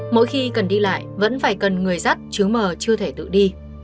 mỗi khi cần đi lại vẫn phải cần người dắt chứ m chưa thể tự đi